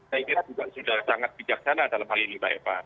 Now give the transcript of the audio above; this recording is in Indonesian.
saya kira juga sudah sangat bijaksana dalam hal ini mbak eva